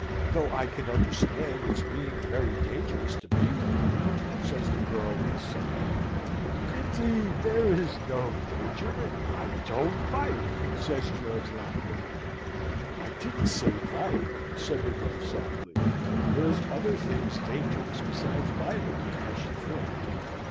Though I can understand its being very dangerous to be with you!" says the girl, with a sigh. "Indeed there is no danger, and I don't bite!" says George, laughing. "I didn't say bite," says the girl, softly. "There's other things dangerous besides biting, I should think.